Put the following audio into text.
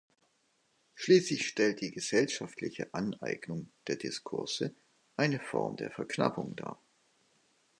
Schließlich stellt die gesellschaftliche Aneignung der Diskurse eine Form der Verknappung dar.